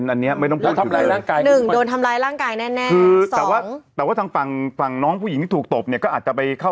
อันนี้ผิดเต็มค่ะ